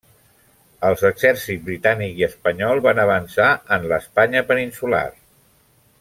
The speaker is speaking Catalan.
Els exèrcits britànic i espanyol van avançar en l'Espanya peninsular.